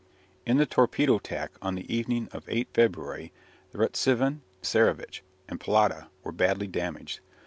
In the torpedo attack on the evening of 8 February the "Retsivan," "Tsarevitch," and "Pallada" were badly damaged.